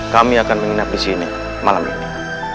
kami akan menginap di sini malam ini